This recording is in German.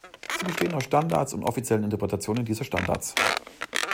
Sie bestehen aus Standards und offiziellen Interpretationen dieser Standards.